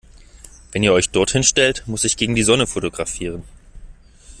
Wenn ihr euch dort hinstellt, muss ich gegen die Sonne fotografieren.